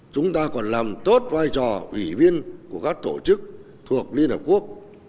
chúng ta còn làm tốt vai trò ủy viên của các tổ chức thuộc liên hợp quốc